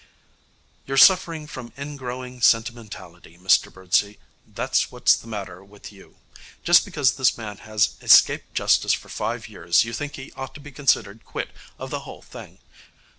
'You're suffering from ingrowing sentimentality, Mr Birdsey. That's what's the matter with you. Just because this man has escaped justice for five years, you think he ought to be considered quit of the whole thing.'